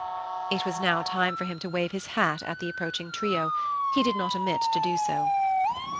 It was now time for him to wave his hat at the approaching trio. He did not omit to do so.